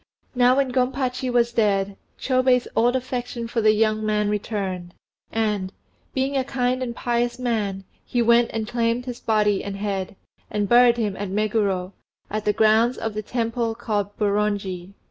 Now when Gompachi was dead, Chôbei's old affection for the young man returned, and, being a kind and pious man, he went and claimed his body and head, and buried him at Meguro, in the grounds of the Temple called Boronji.